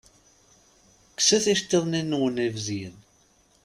Kkset iceṭṭiḍen-nni-nwen ibezgen.